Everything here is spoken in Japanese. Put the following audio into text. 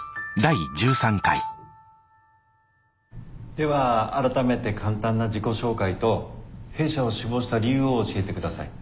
では改めて簡単な自己紹介と弊社を志望した理由を教えて下さい。